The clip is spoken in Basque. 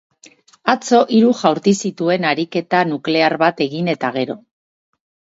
Atzo hiru jaurti zituen ariketa nuklear bat egin eta gero.